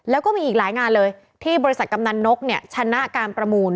แล้วก็มีอีกหลายงานเลยที่บริษัทกำนันนกเนี่ยชนะการประมูล